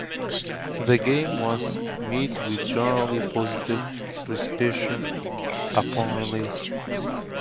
The game was met with a generally positive reception upon release.